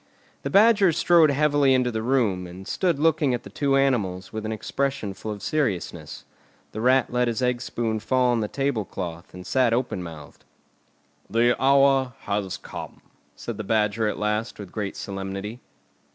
The Badger strode heavily into the room, and stood looking at the two animals with an expression full of seriousness. The Rat let his egg spoon fall on the table cloth, and sat open mouthed. "The hour has come!" said the Badger at last with great solemnity.